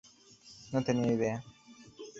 No tenía idea.